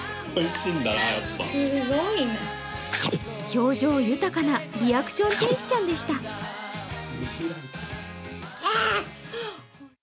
表情豊かなリアクション天使ちゃんでした。